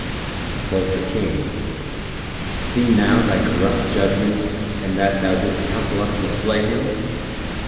Quoth the King "See now thy corrupt judgment, in that thou didst counsel us to slay him!